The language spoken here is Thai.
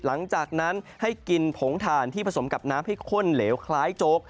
หลังจากนั้นให้กินผงถ่านที่ผสมกับน้ำให้ข้นเหลวคล้ายโจ๊ก